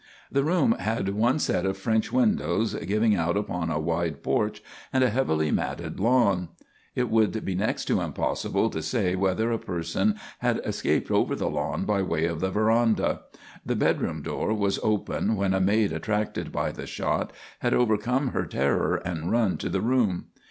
The room had one set of French windows giving out upon a wide porch and a heavily matted lawn. It would be next to impossible to say whether a person had escaped over the lawn by way of the veranda. The bedroom door was open when a maid, attracted by the shot, had overcome her terror and run to the room.